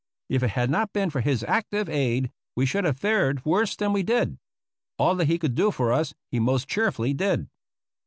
If it had not been for his active aid, we should have fared worse than we did. All that he could do for us, he most cheerfully did.